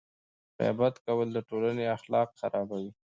غیبت کول د ټولنې اخلاق خرابوي.